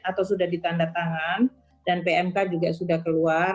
atau sudah ditandatangan dan pmk juga sudah keluar